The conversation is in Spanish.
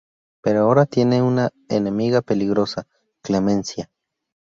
Pero ahora tiene una enemiga peligrosa: Clemencia.